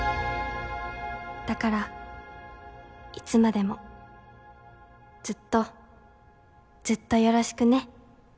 だからいつまでもずっとずっとよろしくね。